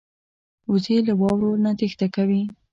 وزې له واورو نه تېښته کوي